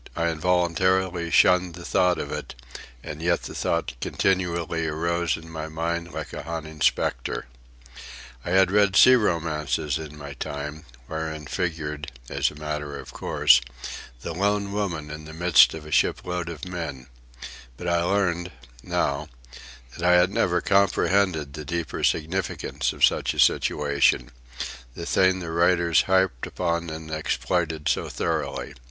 I involuntarily shunned the thought of it, and yet the thought continually arose in my mind like a haunting spectre. I had read sea romances in my time, wherein figured, as a matter of course, the lone woman in the midst of a shipload of men; but I learned, now, that I had never comprehended the deeper significance of such a situation—the thing the writers harped upon and exploited so thoroughly.